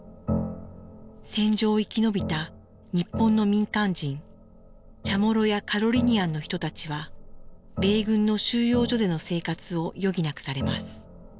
戦場を生き延びた日本の民間人チャモロやカロリニアンの人たちは米軍の収容所での生活を余儀なくされます。